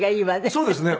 そうですね。